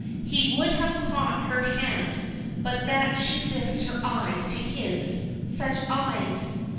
He would have caught her hand but that she lifts her eyes to his such eyes!